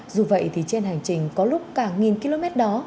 dù vậy thì trên hành trình có lúc cả nghìn km đó